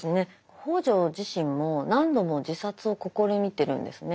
北條自身も何度も自殺を試みてるんですね。